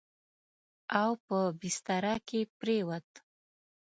او په بستره کې پرېووت.